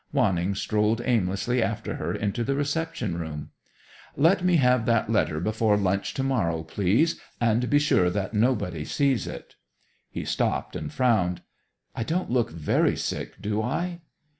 Wanning strolled aimlessly after her into the reception room. "Let me have that letter before lunch tomorrow, please, and be sure that nobody sees it." He stopped and frowned. "I don't look very sick, do I?"